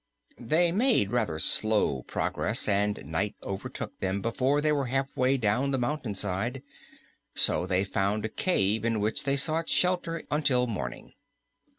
They made rather slow progress and night overtook them before they were halfway down the mountainside, so they found a cave in which they sought shelter until morning.